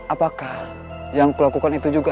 apakah yang kulakukan itu juga